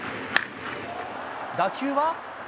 打球は？